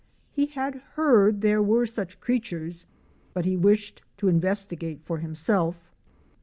He had heard that there were such creatures but he wished to investigate for himself.